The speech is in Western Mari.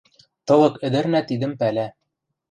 Тылык ӹдӹрнӓ тидӹм пӓлӓ.